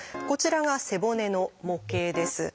こちらが背骨の模型です。